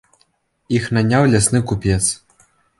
Іх наняў лясны купец.